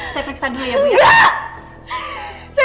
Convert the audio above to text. saya periksa dulu ya bu ya